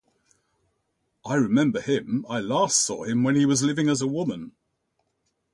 I remember him. I last saw him when he was living as a woman.